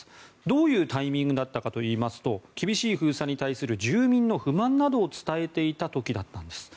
どういうタイミングだったかといいますと厳しい封鎖に対する住民の不満などを伝えていた時だったんです。